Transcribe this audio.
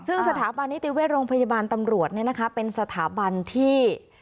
ซึ่งสถาบันนิติเวชโรงพยาบาลตำรวจเป็นสถาบันที่